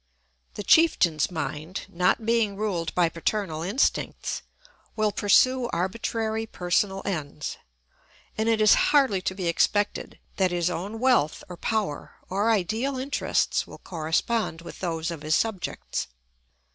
The chieftain's mind, not being ruled by paternal instincts, will pursue arbitrary personal ends, and it is hardly to be expected that his own wealth or power or ideal interests will correspond with those of his subjects.